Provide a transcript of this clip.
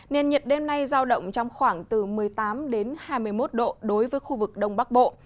nền nhiệt đêm nay giao động trong khoảng từ một mươi tám đến hai mươi một độ đối với khu vực đông bắc bộ